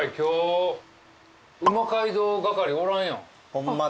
ホンマだ。